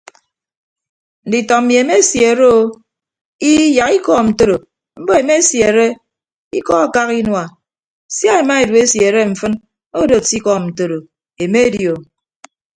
Nditọ mmi emesiere o ii yak ikọọm ntoro mbo emesiere ikọ akak inua sia ema edu esiere mfịn odod se ikọọm ntoro emedi o.